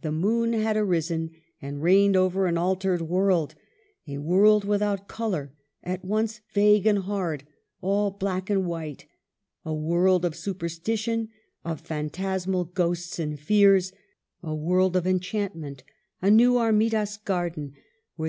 The moon had arisen, and reigned over an altered world ; a world without color, at once vague and hard, all black and white ; a world of superstition, of phantasmal ghosts and fears ; a world of en chantment, a new Armidas garden, where the 314 MARGARET OF ANGOULEME.